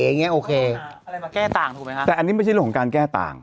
อย่างเงี้โอเคอะไรมาแก้ต่างถูกไหมฮะแต่อันนี้ไม่ใช่เรื่องของการแก้ต่าง